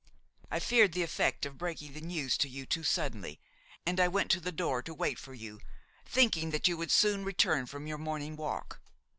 I feared the effect of breaking the news to you too suddenly, and I went to the door to wait for you, thinking that you would soon return from your morning walk.